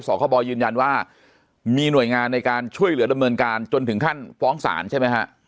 คบยืนยันว่ามีหน่วยงานในการช่วยเหลือดำเนินการจนถึงขั้นฟ้องศาลใช่ไหมฮะ